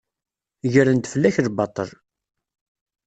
Gren-d fell-ak lbaṭel.